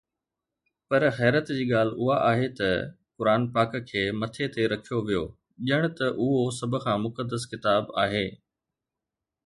پر حيرت جي ڳالهه اها آهي ته قرآن پاڪ کي مٿي تي رکيو ويو ڄڻ ته اهو سڀ کان مقدس ڪتاب آهي.